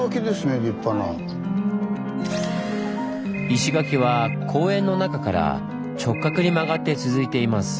石垣は公園の中から直角に曲がって続いています。